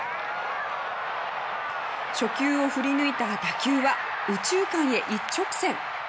初球を振り抜いた打球は右中間へ一直線！